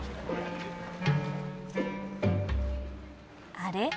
あれ？